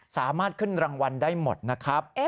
สามารถขึ้นรางวัลได้หมดนะครับ